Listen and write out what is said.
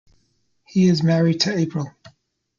He is married to Apryl.